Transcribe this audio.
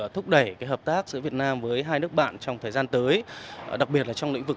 thúc đẩy hợp tác giữa việt nam với hai nước bạn trong thời gian tới đặc biệt là trong lĩnh vực